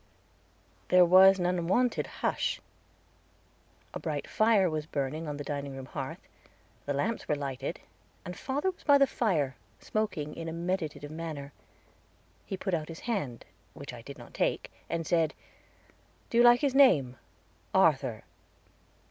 There was an unwonted hush. A bright fire was burning on the dining room hearth, the lamps were still lighted, and father was by the fire, smoking in a meditative manner. He put out his hand, which I did not take, and said, "Do you like his name Arthur?"